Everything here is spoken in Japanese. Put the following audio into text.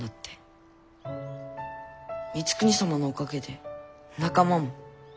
光圀様のおかげで仲間も。